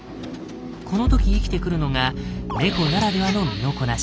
この時生きてくるのが猫ならではの身のこなし。